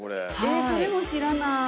・それも知らなーい。